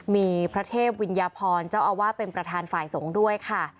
มีพระเทพวิญญาพรเจ้าอาวาสเป็นประธานฝ่ายสงฆ์ด้วยค่ะ